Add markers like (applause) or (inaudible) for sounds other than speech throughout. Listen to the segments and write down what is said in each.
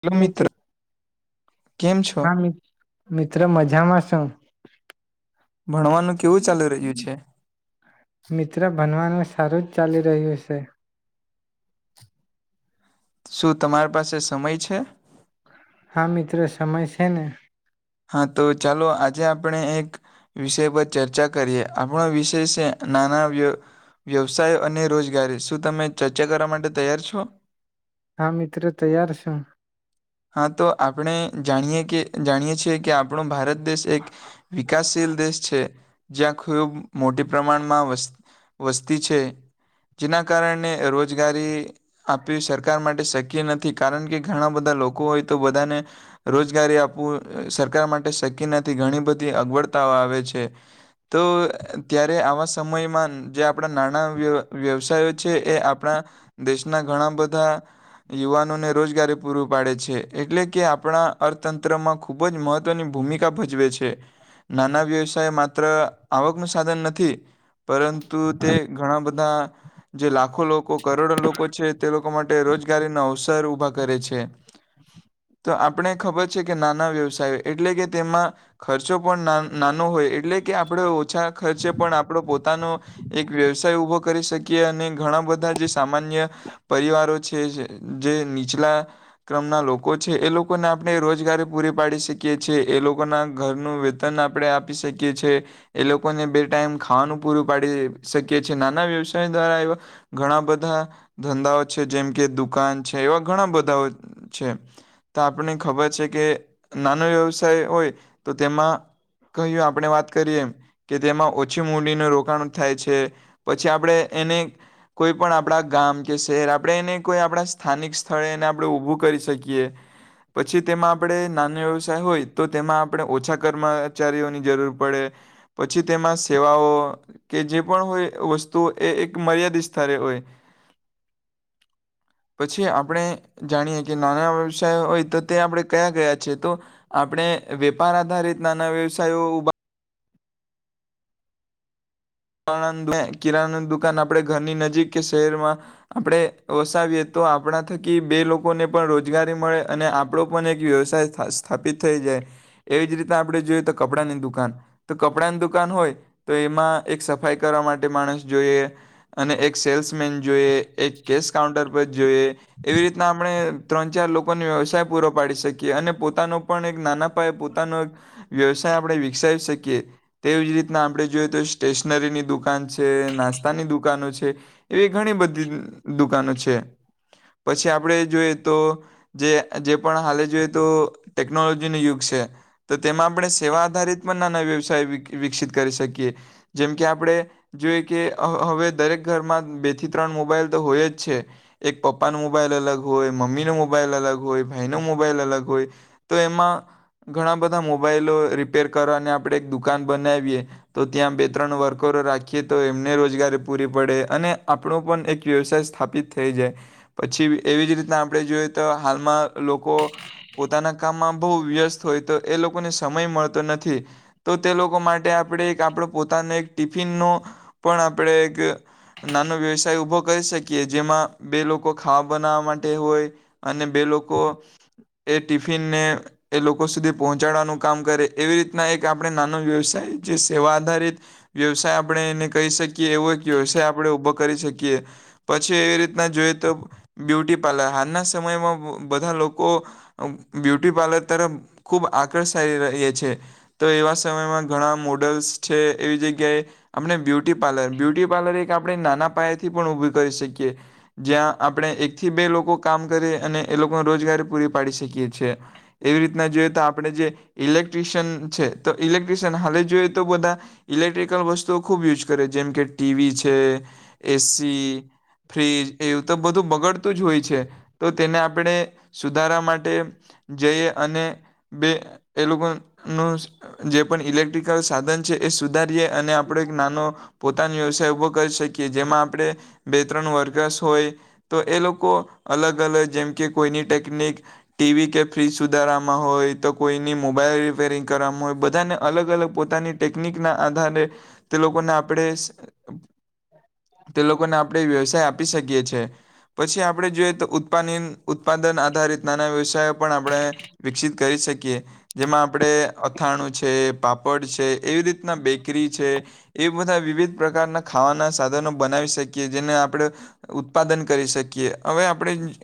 Hello મિત્ર કેમ છો? હા મિ મિત્ર મજામાં શું. ભણવાનું કેવું ચાલુ રહ્યું છે? મિત્ર ભનવાનું સારું જ ચાલી રહ્યું છે. શું તમારી પાસે સમય છે? હા મિત્રો સમય છે ને. હા તો ચાલો આજે આપણે એક, વિષય પર ચર્ચા કરીએ આપણો વિષય છે નાના વ્ય, વ્યવસાય અને રોજગારી શું તમે ચર્ચા કરવા માટે તૈયાર છો? હા મિત્રો તૈયાર છું. હા તો આપણે જાણીએ કે જાણીએ છીએ કે આપણું ભારત દેશ એક, વિકાસશીલ દેશ છે. જ્યાં ખૂબ મોટી પ્રમાણમાં વ વસ્તી છે, જેના કારણે રોજગારી આપી સરકાર માટે શક કે નથી કારણ કે ઘણા બધા લોકો લોકો હોય તો બધાને, રોજગારી આપવું સરકાર માટે શક્ય નથી ઘણી બધી અગવડતાઓ આવે છે, તો ત્યારે આવા સમયમાં જે આપણા નાણા વ્ય વ્યવસાયો છે એ આપણા, દેશના ઘણા બધા યુવાનોને રોજગારી પૂર પાડે છે. એટલે કે આપણા અર્થતંત્રમાં ખુબ જ મહત્વની ભૂમિકા ભજવે છે, નાના વ્યવસાય માત્ર આવકનું સાધન નથી. પરંતુ તે ઘણા બધા, જે લાખો લોકો કરોડો લોકો છે તે લોકો માટે રોજગારીનો અવસર ઉભા કરે છે. તો આપણે ખબર છે કે નાના વ્યવસાય એટલે કે તેમાં, ખર્ચો પણ નાનો હોય એટલે કે આપણે ઓછા ખર્ચે પણ આપડો પોતાનો, એક વ્યવસાય ઊભો કરી શકીએ અને ઘણા બધા જે સામાન્ય પરિવારો છે જે નીચલા ક્રમ લોકો છે એ લોકોને આપણે રોજગારી પૂરી પાડી શકી છીએ એ લોકો ના ઘરનું વેતન આપણે આપી શકીએ છેએ, એ લોકોને બે ટાઈમ ખાવાનું પૂરું પાડી શકીએ છેએ નાના વ્યવસાય દ્વારા એવા, ઘણા બધા ધંધાઓ છે જેમ કે દુકાન છે એવા ઘણા બધા છે, તો આપણને ખબર છે કે નાનો વ્યવસાય હોય, તો તેમાં કહ્યું આપણે વાત કરીએ, એમ કે તેમાં ઓછી મૂડીનું રોકાણ થાય છે, પછી આપણે એને કોઈ પણ આપણા ગામ કે શહેર આપણે એને કોઈ આપણા સ્થાનિક સ્થળે એને આપણે ઊભું કરી શકીએ શકીએ, પછી તેમાં આપણે નાનો વ્યવસાય હોય તો તેમાં આપણે ઓછા કર્મચારીઓની જરૂર પડે, પછી તેમાં સેવાઓ કે જે પણ હોય વસ્તુ એ એક મર્યાદિત સ્તરે હોય, પછી આપણે જાણીએ કે નાના વ્યવસાય હોય તો તે આપણે કયા ગયા છે તો, આપણે વેપાર આધારિત નાના વ્યવસાયો ઉભા કિરાનું દુકાન આપણે ઘરની નજીક કે શહેરમાં, આપણે વસાવીએ તો આપણા થકી બે લોકોને પણ રોજગારી મળે અને આપણો પણ એક વ્યવસાય સ્થાપિત થઈ જાય, એવી જ રીતે આપણે જોઈએ તો કપડાંની દુકાન, તો કપડાની દુકાન હોય તો એમાં એક સફાઈ કરવા માટે માણસ જોઈએ, અને એક સેલ્સ મેન જોઈએ એક કેસ કાઉન્ટર પર જોઈએ. એવી રીતના આપણે ત્રણ ચાર લોકોનો વ્યવસાય પૂરો પાડી શકીએ અને પોતાનો પણ એક નાના પાયે પોતાનો, એક વ્યવસાય આપણે વિકસાવી શકીએ, તેવી જ રીતના આપણે જોઈએ તો સ્ટેશનરીની દુકાન છે નાસ્તાની દુકાનો છે, એવી ઘણી બધી દુકાનો છે, પછી આપણે જોઈએ તો, જે પણ હાલ જોઈએ તો ટેકનોલોજીનું યુગ છે, તો તેમાં આપણે સેવા આધારિત પણ નાના વ્યવસાય વિકસિત કરી શકીએ. જેમ કે આપણે જોઈ કે હવે દરેક ઘરમાં બે થી ત્રણ મોબાઈલ તો હોય જ છે, એક પપ્પાનો મોબાઈલ અલગ હોય મમ્મીનો મોબાઈલ અલગ હોય ભાઈનો મોબાઈલ અલગ હોય, તો એમાં ઘણા બધા મોબાઈલો રિપેર કરવાને આપણે એક દુકાન બનાવીએ, તો ત્યાં બે ત્રણ વર્કરો રાખીએ તો એમને રોજગારી પૂરી પડે અને આપણો પણ એક વ્યવસાય સ્થાપિત થઈ જાય, પછી એવી જ રીતના આપણે જોઈએ તો હાલમાં લોકો, પોતાના કામમાં બહુ વ્યસ્ત હોય તો એ લોકોને સમય મળતો નથી, તો તે લોકો માટે આપણે એક આપણ પોતાનો એક ટિફિન ન પણ આપણેે એક નાનો વ્યવસાય ઊભો કરી શકીએ જેમાં બે લોકો ખાવા બનાવવા માટે હોય, અને બે લોકો, એ ટિફિનને એ લોકો સુધી પહોંચાડવાનું કામ કરે એવી રીતના એક આપણે નાનો વ્યવસાય જે સેવા ધરેિત વ્યવસાય આપડે એને કહી શકીએ એવો કે વ્યવસાય આપણે ઉભો કરી શકીએ. પછી એવી રીતના જોઈએ તો બ્યુટી પાર્લર હાલના સમયમાં બધા લોકો, બ્યુટી પાર્લર તરફ ખૂબ આકર્ષાય રહ છે, તો એવા સમયમાં ઘણા મોડલ્સ છે એવી જગ્યાએ, આપણે બ્યુટી પાર્લર બ્યુટી પાર્લર એક આપણે નાના પાયાથી પણ ઊભું કરી શકીએ, જ્યાં આપણે એકથી બે લોકો કામ કરી અને એ લોકોને રોજગારી પૂરી પાડી શકીએ છે, છેએ એવી રીતના જોઈએ તો આપણે જે ઇલેક્ટ્રિશિયન છે તો ઇલેક્ટ્રીશિયન હાલે જોઈએ તો બ ઇલેક્ટ્રિકલ વસ્તુઓ ખૂબ યુઝ કરે જેમ કે ટી વી છે એ સી ફ્રીજ એવું તો બધું બગડતું જ હોય છે તો તેને આપડે સુધારા માટે જઈએ અને બે એ લોકોનું જે પણ ઇલેક્ટ્રિકલ સાધન છે એ સુધારીએ અને આપ એક નાનો પોતાનો વ્યવસાય ઉભો કરી શકીએ જેમાં આપડે બે ત્રણ વર્કર્સ હોય તો એ લોકો અલગ અલગ જેમ કે કોઈની ટેકનિક ટી વી કે ફ્રીજ સુધારવામાં હોય તો કોઈની મોબાઈલ રિપેરિંગ કરવામાં હોય બધાને અલગ અલગ પોતાની ટેકનિક ના આધારે તે લોકોને આપડે તે લોકોને આપડે વ્યવસાય આપી શકીએ છી પછી આપણે જોઈએ તો ઉત્પા ઉત્પાદન આધારિત નાના વ્યવસાય પણ આપણે વિકસિત કરી શકીએ જેમાં આપડે અથાણું છે પાપડ છે એવી રીતના બેકરી છે એ બધા વિવિધ પ્રકારના ખાવાના સાધનો બનાવી શકીએ જેને આપડે ઉત્પાદન કરી શકીએ હવે આપણે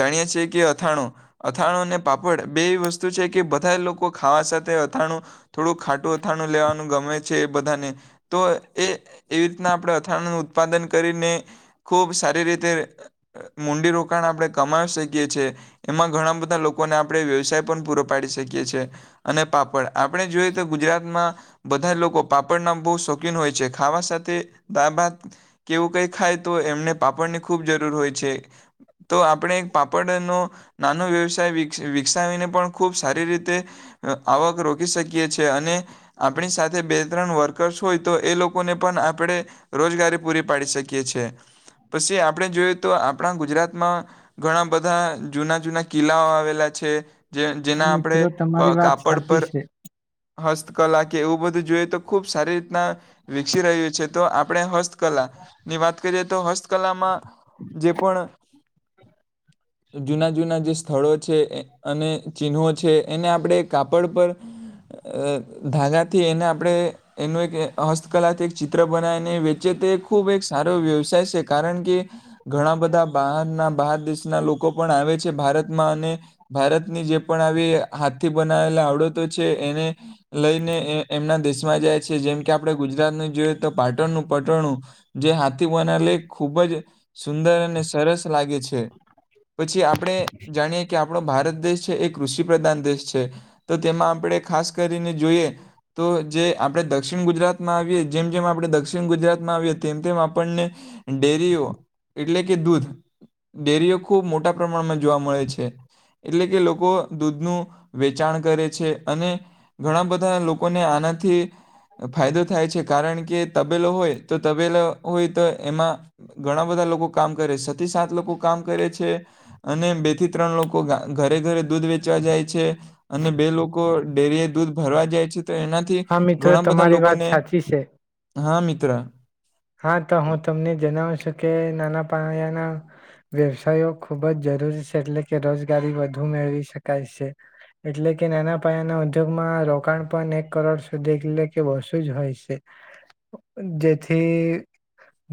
જાણીએ છીએ કે અથાણું અથાણું અને પાપડ બે એવી વસ્તુ છે કે બધા લોકો ખાવા સાથે અથાણું થોડું ખાટું અથા નું લેવાનું ગમે છે એ બધાને તો એ એવી રીતના આપડે અથાણ નું ઉત્પાદન કરીને ખૂબ સારી રીતે અહ મુંડી રોકાણ આપડે કમાવી શકીએ છીએ એમાં ઘણા બધા લોકોને આપડે વ્યવસાય પણ પૂરો પાડી શકીએ છ છીએ અને પાપડ આપડે જોઈએ તો ગુજરાતમાં બધા લોકો પાપડના બહુ શોખીન હોય છે ખાવા સાથે દાડ ભાત કેવું કઈ ખાય તો એમને પાપડની ખૂબ જરૂર હોય છે તો આપણે પાપડનો નાનો વ્યવસાય વિક-વિકસાવીને પણ ખૂબ સારી રીતે અહ આવક રોકી શકીએ છે અને ણી સાથે બે ત્રણ વર્કર્સ હોય તો એ લોક કો ને પણ આપડે રોજગારી પૂરી પાડી શકીએ છેએ પછી આપડે જોઈએ તો આપડા ગુજરાતમાં ઘણા બધા જૂના જૂના કિલ્લાઓ આવેલા છે જે હા જેના આપડે મિત્રો તમારી વાત ક-કાપડ સાચી પર છે હસ્ત કલા કે એવું બધું જોઈએ તો ખુબ સારી રીતના વિકસી રહ્યું છે તો આપણે હસ્તકલા ની વાત કરીએ તો હસ્તકલામાં જે પણ જુના જૂના જે સ્થળો છે અને ચિહ્નો છે એને આપણે કાપડ પર અ ધાગાથી એને આપણે એનું એક હસ્તકલાથી એક ચિત્ર બનાવીને વેચે તે ખૂબ એક સારો વ્યવસાય છે કારણ કે ઘણા બધા બહારના બહાર દેશના લોકો પણ આવે છે ભારતમાં અને ભારતની જે પણ આવી હાથથી બનાવેલા આવડતો છે એને લઈને એમના દેશમાં જાય છે જેમ કે આપણે ગુજરાતનું જોઈએ તો પાટણનું પટણું જે હાથી બના લ ખૂબ જ સુંદર અને સરસ લાગે છે પછી આપણે જાણીએ કે આપણો ભારત દેશ છે એ કૃષિ પ્રધાન દેશ છે તો તેમાં આપણે ખાસ કરી રિને જોઈએ તો જે આપણે દક્ષિણ ગુજરાતમાં આવીએ જેમ જેમ આપણે દક્ષિણ ગુજરાતમાં આવીએ તેમ તેમ આપણને ડેરીઓ એટલે કે દૂધ ડેરીઓ ખૂબ મોટા પ્રમાણમાં જોવા મળે છે એટલે કે લોકો દૂધનું વેચાણ કરે છે અને ઘણા બધા લોકોને આનાથી ફાયદો થાય છે કારણ કે તબેલો હોય તો તબેલો હોય તો એમાં ઘણા બધા લોકો કામ કરે છ થી સાત લોકો કામ કરે છે અને બે થી ત્રણ લોકો ઘરે ઘરે દૂધ વેચવા જાય છે અને બે લોકો ડેરી દૂધ ભરવા જાય છે. ત એનાથી હા મિત્રો ઘણા બધા તમારી વાત લોકોને સાચી છે હા મી ત્ર હા તો હું તમને જણાવ શુ. કે નાના પાયાના વ્યવસાયો ખુબ જ જરૂરી છે એટલે કે રોજગારી વધુ મેળવી શકાય છે એટલે કે નાના પાયાના ઉદ્યોગમાં રોકાણ પણ એક કરોડ સુધી એટલે કે બસુ જ હોય છે જેથી થી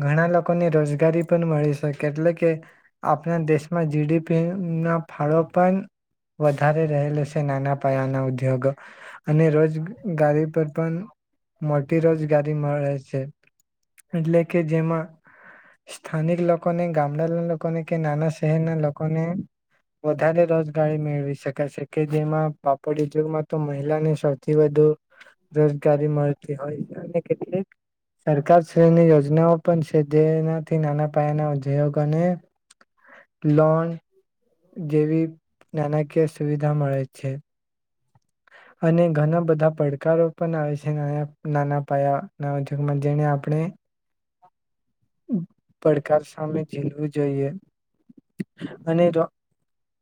ઘણા લોકોને રોજગારી પણ મળી શકે એટલે કે આપણા દેશમાં જીડીપી ના ફાળો પણ વધારે રહેલા છે નાના પાયાના ઉદ્યોગો અને રોજગારી પર પણ મોટી રોજગારી મળે છે. એટલે કે જેમાં સ્થાનિક લોકોને ગામડાના લોકોને કે નાના શહેરના લોકોને વધારે રોજગારી મેળવી શકે છે કે જેમાં પાપડી જુગમાં તો મહિલાને સૌથી વધુ રોજગારી મળતી હોય અને કેટલીક સરકાર શની યોજનાઓ પણ છે જેનાથી નાના પાયાના ઉદ્યોગોને લોન (inaudible) જેવી નાણાકીય સુવિધા મળે છે. અને ઘણા બધા પડકારો પણ આવે છે નાના પાયા ના ઉગમાં જેને આપણે પડકાર સામે ઝીલવું જોઈએ અને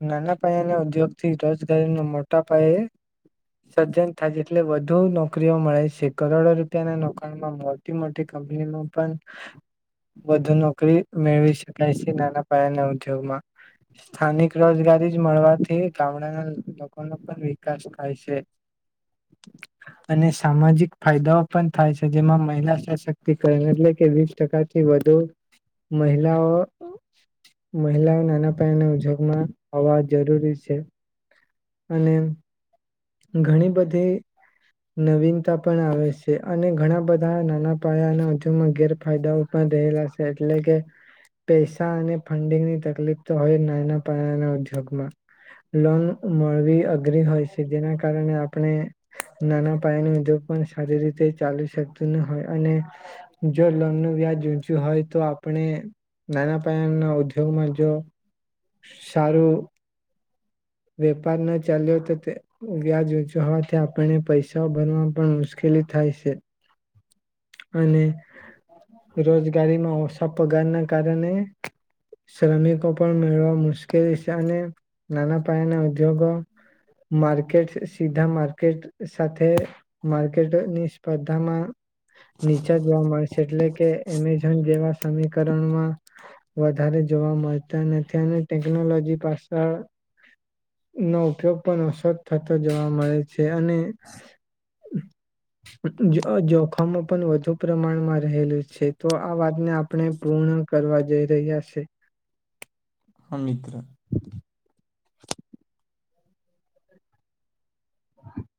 નાના પાયાના ઉદ્યોગ થી રોજગારીના મોટા પાયે સજ્જન થાય જેટલે વધુ નોકરીઓ મળે છે કરોડો રૂપિયાના રોકાણમાં મોટી મોટી કંપનીમાં પણ વધ નો મેળવી શકાય છે નાના પાયાના ઉદ્યોગમાં, સ્થાનિક રોજગારી જ મળવાથી ગામડાના લોકોનો પણ વિકાસ થાય છે, અને સામાજિક ફાયદાઓ પણ થાય છે જેમાં મહિલા સશક્તિકરણ એટલે કે વીસ ટકા થી વધુ મહિલાઓ મહિલાઓ નાના પાયાના ઉદ્યોગમાં હોવા જરૂરી છે. અને ઘણી બધી, નવીનતા પણ આવે છે અને ઘણા બધા નાના પાયાના ઉદ્યોગમાં ગેરફાયદાઓ પણ રહેલા છે એટલે કે, પૈસા અને ફંડિંગની તકલીફ તો હોય નાના પાયાના ઉદગમાં, લોન મળવી અઘરી હોય છે. જેના કારણે આપણે નાના પાયાના ઉદગ પણ સારી રીતે ચલી શકતું ન હોય, અને જો લોનનું વ્યાજ ઊચ્યું હોય તો આપણે નાના પાયા ના ઉદ્યોગમાં જો સારું વેપાર ન ચાલ્યો તો તે વ્યાજ ઊચું હોવાથી આપણને પૈસાઓ ભરવા પણ મુશ્કેલી થાય છે. અને રોજગારીમાં અવ ા પગાર ના કારણે શ્રમિકો પણ મેળવા મુશ્કેલ છે અને નાના પાયાના ઉદ્યોગો માર્કેટ સીધા માર્કેટ સાથે માર્કેટની સ્પર્ધામાં નીચા જવા મળે છે એટલે કે એમે જેવા સમીકરણમાં વધારે જોવા મળતા નથી અને ટેકનોલોજી પાછળ નો ઉપયોગ પણ ઓછત થતો જોવા મળે છે. છે અને (unintelligible) જોખમો પણ વધુ પ્રમાણમાં રહેલું છે તો આ વાતને આપણે પૂર્ણ કરવા જઈ રહ્યા છે. હમિત્ર (inaudible)